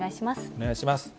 お願いします。